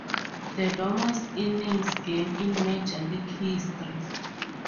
The longest Innings game in Major League history.